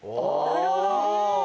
なるほど！